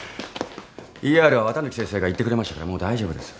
ＥＲは綿貫先生が行ってくれましたからもう大丈夫です。